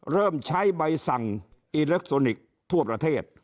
เริ่มใช้ใบสั่งอิเล็กทรอนิกส์ทั่วประเทศ